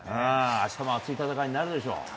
明日も熱い戦いになるでしょう。